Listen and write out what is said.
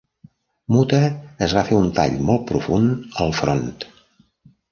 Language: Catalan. Muta es va fer un tall molt profund al front.